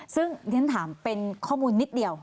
ซึ่งที่ฉันถามเป็นข้อมูลนิดเดียว